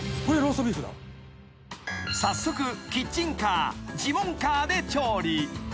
［早速キッチンカージモンカーで調理］